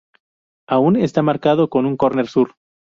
Aún está marcado un córner sur.